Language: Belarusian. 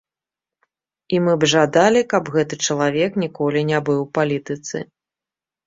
І мы б жадалі, каб гэты чалавек ніколі не быў у палітыцы.